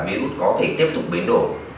virus có thể tiếp tục biến đổi